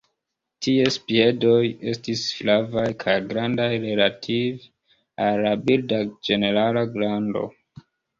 Ties piedoj estis flavaj kaj grandaj relative al la birda ĝenerala grando.